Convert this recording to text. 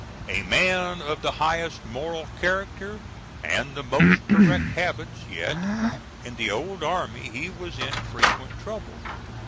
A man of the highest moral character and the most correct habits, yet in the old army he was in frequent trouble.